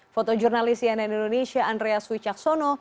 fotojurnalis yang lain di indonesia andrea suicaksono